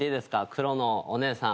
黒のお姉さん。